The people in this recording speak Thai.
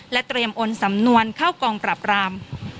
เตรียมโอนสำนวนเข้ากองปรับราม